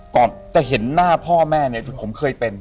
ก่อนจะเห็นหน้าพ่อแม่เนี่ยผมเคยเป็น